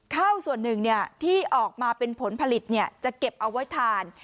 ข้าวส่วนหนึ่งที่ออกมาเป็นผลผลิตจะเก็บเอาไว้ทาน